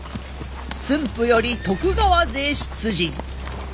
駿府より徳川勢出陣。